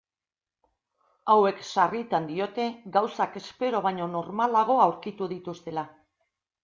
Hauek sarritan diote gauzak espero baino normalago aurkitu dituztela.